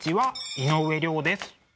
井上涼です。